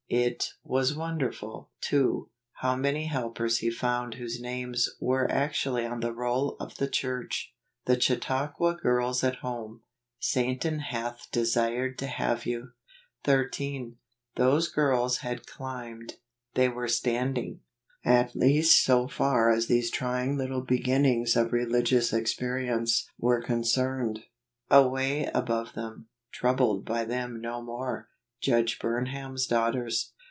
It was wonderful, too, how many helpers he found whose names were actually on the roll of the Church! The Chautauqua Girb at Home. " Satan hath desired to have you." 13. Those girls had climbed ; they were standing — at least so far as these trying little beginnings of religious experience were concerned, away above them — trou¬ bled by them no more. Judge Burnham's Daughters.